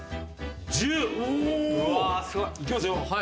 おいきますよ。